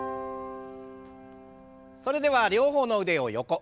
それでは両方の腕を横。